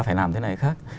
phải làm thế này hay khác